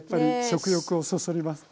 食欲をそそります。